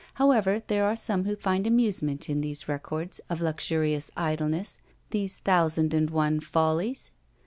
However, there are some who find amusement in these records of luxurious idleness; these thousand and one follies!